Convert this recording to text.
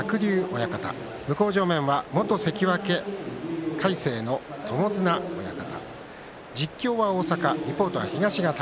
親方向正面は元関脇魁聖の友綱親方。